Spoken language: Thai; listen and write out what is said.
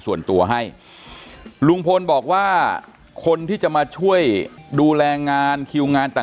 ส่วนตัวให้ลุงพลบอกว่าคนที่จะมาช่วยดูแลงานคิวงานต่าง